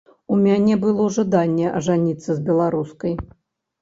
У мяне было жаданне ажаніцца з беларускай.